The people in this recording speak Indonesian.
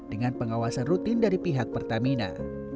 dengan pengawasan rutin dari pihak pertamina